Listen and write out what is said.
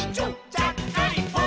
ちゃっかりポン！」